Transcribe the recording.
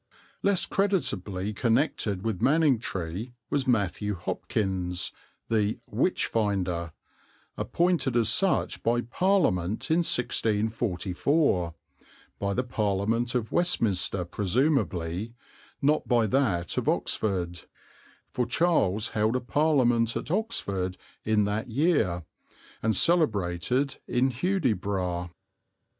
Less creditably connected with Manningtree was Matthew Hopkins, the "witchfinder," appointed as such by Parliament in 1644 by the Parliament of Westminster presumably, not by that of Oxford, for Charles held a Parliament at Oxford in that year and celebrated in Hudibras.